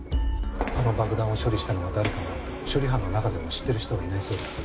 あの爆弾を処理したのが誰かは処理班の中でも知ってる人はいないそうです。